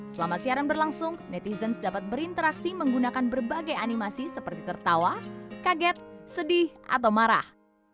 selama siaran berlangsung netizens dapat berinteraksi menggunakan berbagai animasi seperti tertawa kaget sedih atau marah